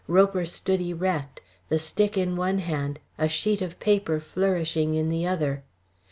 Roper stood erect, the stick in one hand, a sheet of paper flourishing in the other.